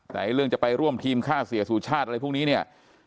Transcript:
แต่เรื่องจะไปร่วมทีมฆ่าเสียสุชาติอะไรพวกนี้เนี่ย